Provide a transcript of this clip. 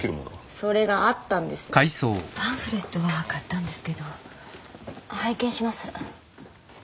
パンフレットは買ったんですけど拝見します